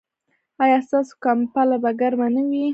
ایا ستاسو کمپله به ګرمه نه وي؟